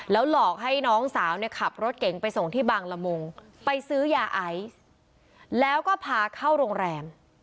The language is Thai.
หลอกให้น้องสาวเนี่ยขับรถเก๋งไปส่งที่บางละมุงไปซื้อยาไอซ์แล้วก็พาเข้าโรงแรม